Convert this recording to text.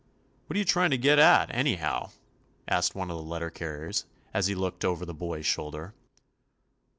"What you trying to get at, any how *?" asked one of the letter carriers, as he looked over the boy's shoulder.